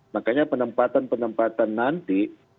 makanya penempatan penempatan nanti